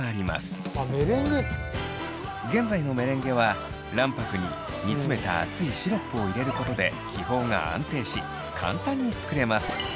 現在のメレンゲは卵白に煮詰めた熱いシロップを入れることで気泡が安定し簡単に作れます。